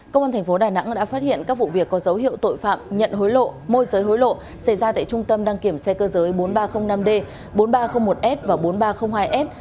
công an thành phố đà nẵng đã phát hiện các vụ việc có dấu hiệu tội phạm nhận hối lộ môi giới hối lộ xảy ra tại trung tâm đăng kiểm xe cơ giới bốn nghìn ba trăm linh năm d bốn nghìn ba trăm linh một s và bốn nghìn ba trăm linh hai s